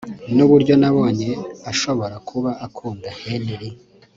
nuburyo nabonye ashobora kuba akunda Henry